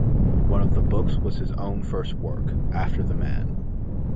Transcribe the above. One of the books was his own first work, "After the Man".